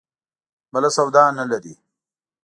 بله سودا نه لري.